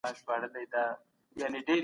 هیوادونه چیري د پوهني حق غوښتنه کوي؟